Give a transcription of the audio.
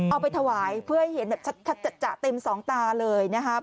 เอาไปถวายเพื่อให้เห็นแบบชัดจัดเต็มสองตาเลยนะครับ